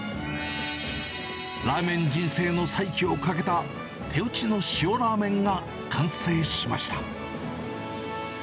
ラーメン人生の再起をかけた手打ちの塩らーめんが完成しました。